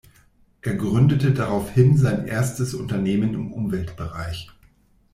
Er gründete daraufhin sein erstes Unternehmen im Umweltbereich.